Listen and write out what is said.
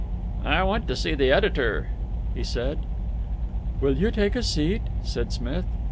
"I want to see the editor," he said. "Will you take a seat?" said Smith.